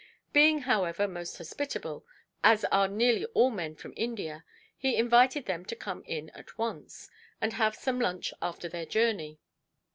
Being, however, most hospitable, as are nearly all men from India, he invited them to come in at once, and have some lunch after their journey.